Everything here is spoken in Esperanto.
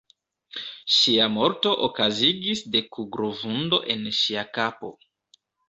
Ŝia morto okazigis de kuglo-vundo en ŝia kapo.